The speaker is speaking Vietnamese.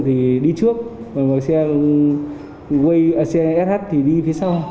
thì đi trước xe sh thì đi phía sau